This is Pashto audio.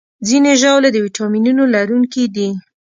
ځینې ژاولې د ویټامینونو لرونکي دي.